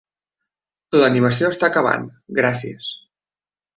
L'animació està acabant, gràcies.